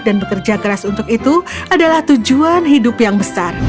dan bekerja keras untuk itu adalah tujuan hidup yang besar